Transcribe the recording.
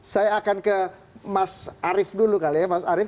saya akan ke mas arief dulu kali ya mas arief